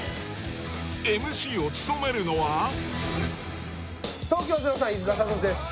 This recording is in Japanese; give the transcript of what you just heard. ＭＣを務めるのは東京０３飯塚悟志です